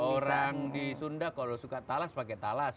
orang di sunda kalau suka talas pakai talas